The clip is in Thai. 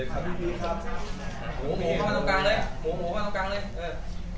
หมูหมูเข้ามาตรงกลางเลย